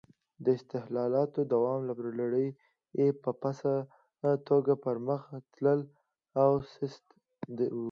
د اصلاحاتو دوام لړۍ په پڅه توګه پر مخ تلله او سست و.